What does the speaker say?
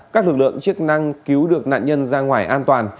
các lực lượng chức năng cứu được nạn nhân ra ngoài an toàn